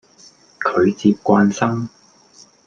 佢接慣生